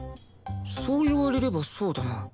そう言われればそうだな。